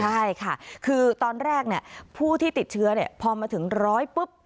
ใช่ค่ะคือตอนแรกผู้ที่ติดเชื้อพอมาถึงร้อยปุ๊บ